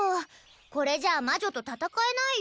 これじゃ魔女と戦えないよ。